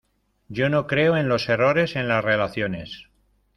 yo no creo en los errores en las relaciones.